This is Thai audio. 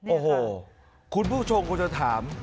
โอ้โหคุณผู้ชมคงจะถาม